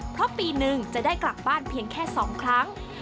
เพราะปีนึงจะได้กลับบ้านเพียงแค่๒ครั้ง